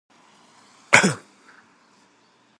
However, this interpretation of the Act is disputed.